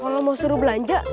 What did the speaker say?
kalau mau suruh belanja